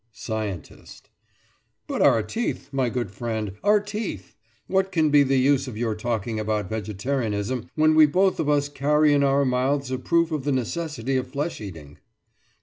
SCIENTIST: But our teeth, my good friend, our teeth! What can be the use of your talking about vegetarianism, when we both of us carry in our mouths a proof of the necessity of flesh eating.